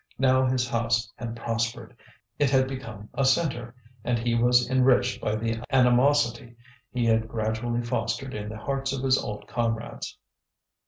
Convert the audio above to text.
Now his house had prospered; it had become a centre, and he was enriched by the animosity he had gradually fostered in the hearts of his old comrades.